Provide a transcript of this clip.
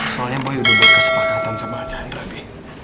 soalnya boy udah buat kesepakatan sama chandra be